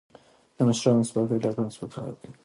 د مشرانو سپکاوی د قوم سپکاوی دی.